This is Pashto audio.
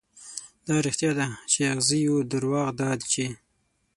دا رښتيا ده، چې اغزي يو، دروغ دا چې